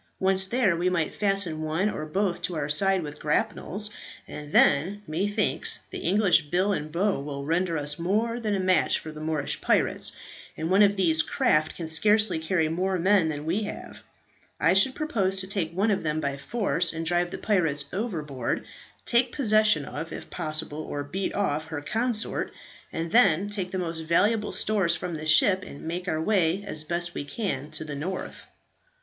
Once there, we might fasten one or both to our side with grapnels, and then, methinks, that English bill and bow will render us more than a match for Moorish pirates, and one of these craft can scarcely carry more men than we have. I should propose to take one of them by force, and drive the pirates overboard; take possession of, if possible, or beat off, her consort; and then take the most valuable stores from the ship, and make our way as best we can to the north."